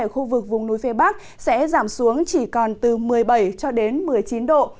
ở khu vực vùng núi phía bắc sẽ giảm xuống chỉ còn từ một mươi bảy cho đến một mươi chín độ